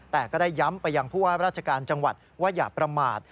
แต่ก็ได้ย้ำไปยังผู้ว่าราชการจังหวัดว่าอย่าประมาท